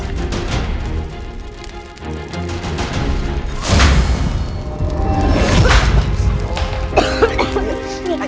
kau mau ngapain